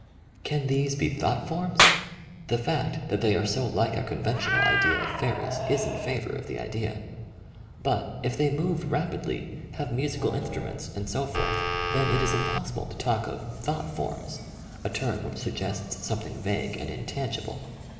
Can these be thought forms? The fact that they are so like our conventional idea of fairies is in favour of the idea. But if they move rapidly, have musical instru ments, and so forth, then it is impossible to talk of ''thought forms," a term which sug gests something vague and intangible.